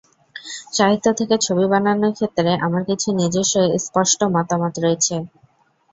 সাহিত্য থেকে ছবি বানানোর ক্ষেত্রে আমার কিছু নিজস্ব স্পষ্ট মতামত রয়েছে।